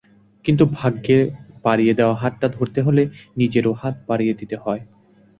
কিন্তু ভাগ্যের বাড়িয়ে দেওয়া হাতটা ধরতে হলে নিজেদেরও হাত বাড়িয়ে দিতে হয়।